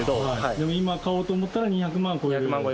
でも今買おうと思ったら２００万超える。